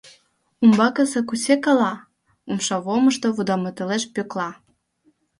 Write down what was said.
Умбакысе кусе кала? — умшавомышто вудыматылеш Пӧкла.